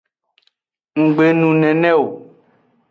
Nggbe nu nene o.